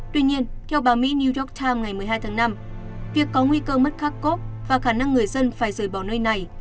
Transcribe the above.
tuy nhiên theo bà mỹ new york times ngày một mươi hai tháng năm việc có nguy cơ mất khark cop và khả năng người dân phải rời bỏ nơi này